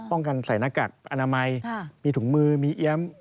กันใส่หน้ากากอนามัยมีถุงมือมีเอี๊ยม